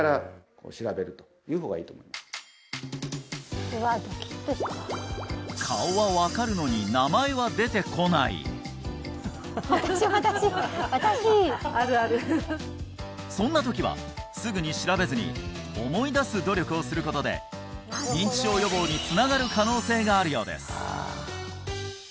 例えばこんな疑問実はそういうことをまずはそんな時はすぐに調べずに思い出す努力をすることで認知症予防につながる可能性があるようです